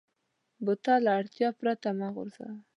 بوتل له اړتیا پرته مه غورځوه.